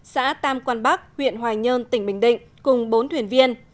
xã tam quan bắc huyện hoài nhơn tỉnh bình định cùng bốn thuyền viên